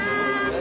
何？